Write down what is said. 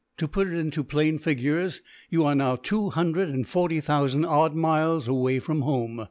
To put it into plain figures, you are now two hundred and forty thousand odd miles away from home.